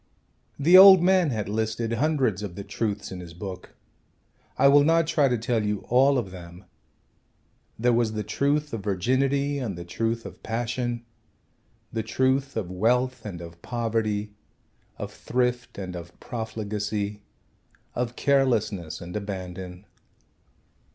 The old man had listed hundreds of the truths in his book. I will not try to tell you of all of them. There was the truth of virginity and the truth of passion, the truth of wealth and of poverty, of thrift and of profligacy, of carelessness and abandon.